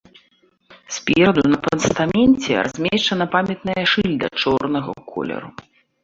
Спераду на пастаменце размешчана памятная шыльда чорнага колеру.